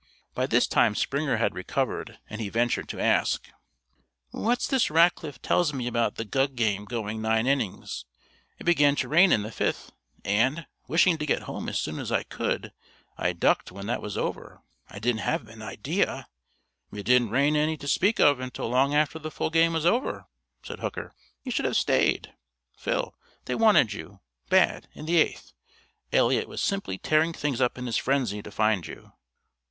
By this time Springer had recovered, and he ventured to ask: "What's this Rackliff tells me about the gug game going nine innings? It began to rain in the fifth and, wishing to get home as soon as I could, I ducked when that was over. I didn't have an idea " "It didn't rain any to speak of until long after the full game was over," said Hooker. "You should have stayed, Phil; they wanted you bad in the eighth. Eliot was simply tearing things up in his frenzy to find you."